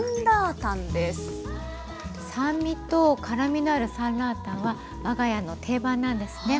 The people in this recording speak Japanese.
酸味と辛みのあるサンラータンは我が家の定番なんですね。